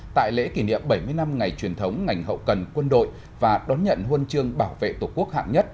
tại lễ kỷ niệm bảy mươi năm ngày truyền thống ngành hậu cần quân đội và đón nhận huân chương bảo vệ tổ quốc hạng nhất